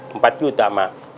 empat juta mak